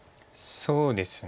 そうですね。